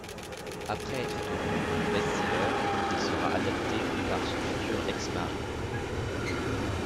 Après être devenu un best-seller, il sera adapté par son futur ex-mari.